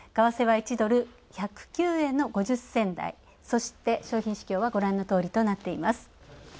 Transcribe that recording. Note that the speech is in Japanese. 為替は１ドル、１０９円の５０銭台、そして商品市況はご覧のとおりです。